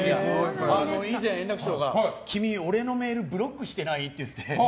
以前、円楽師匠が君、俺のメールブロックしてない？って言って。